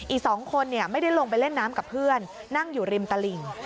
อีก๒คนไม่ได้ลงไปเล่นน้ำกับเพื่อนนั่งอยู่ริมตลิ่ง